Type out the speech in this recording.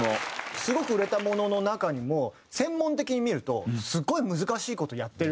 すごく売れたものの中にも専門的に見るとすごい難しい事やってるんですよ